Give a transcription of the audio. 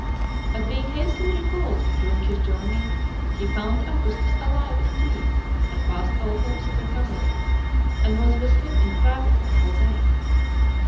But being hastily recalled during his journey, he found Augustus alive indeed, but past all hopes of recovery, and was with him in private a whole day.